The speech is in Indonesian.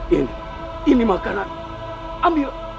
ini ini makanan ambil